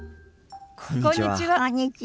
こんにちは。